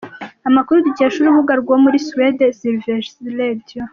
Amakuru dukesha urubuga rwo muri Suwede sverigesradio.